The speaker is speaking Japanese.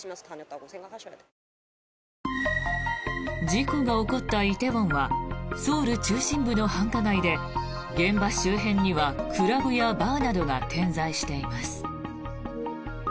事故が起こった梨泰院はソウル中心部の繁華街で現場周辺にはクラブやバーなどが点在しています。